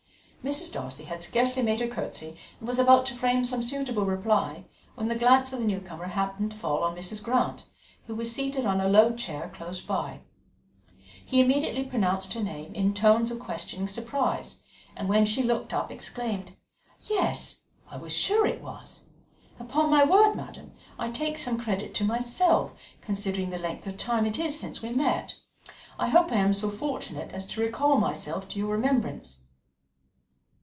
Mrs. Darcy had scarcely made her curtsey and was about to frame some suitable reply, when the glance of the newcomer happened to fall on Mrs. Grant, who was seated on a low chair close by. He immediately pronounced her name in tones of questioning surprise, and when she looked up, exclaimed: "Yes, I was sure it was. Upon my word, madam, I take some credit to myself, considering the length of time it is since we met. I hope I am so fortunate as to recall myself to your remembrance?"